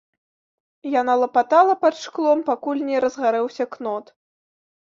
Яна лапатала пад шклом, пакуль не разгарэўся кнот.